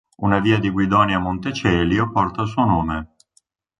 Una via di Guidonia Montecelio porta il suo nome.